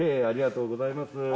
ありがとうございます。